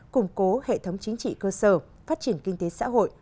củng cố hệ thống chính trị cơ sở phát triển kinh tế xã hội